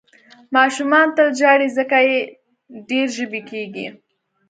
ماشومان تل ژاړي، ځکه یې ډېر ژبۍ کېږي.